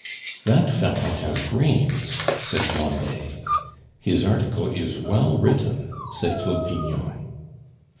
"That fellow has brains," said Blondet. "His article is well written," said Claude Vignon.